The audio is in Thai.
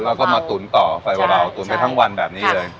แล้วก็มาตุ๋นต่อใส่เบาตุ๋นไปทั้งวันแบบนี้เลย